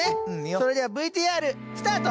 それではＶＴＲスタート。